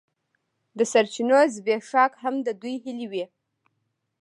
د سرچینو زبېښاک هم د دوی هیلې وې.